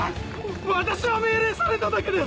私は命令されただけです！